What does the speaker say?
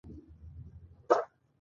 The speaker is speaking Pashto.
ماته دې هم رخصت راکړي.